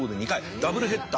ダブルヘッダー